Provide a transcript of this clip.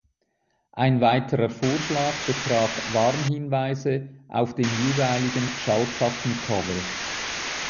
Ein weiterer Vorschlag betraf Warnhinweise auf dem jeweiligen Schallplattencover.